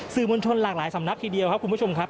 มวลชนหลากหลายสำนักทีเดียวครับคุณผู้ชมครับ